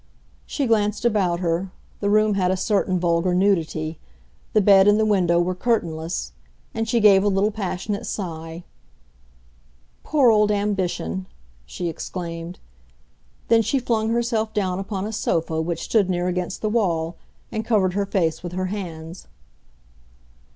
She glanced about her—the room had a certain vulgar nudity; the bed and the window were curtainless—and she gave a little passionate sigh. "Poor old ambition!" she exclaimed. Then she flung herself down upon a sofa which stood near against the wall, and covered her face with her hands.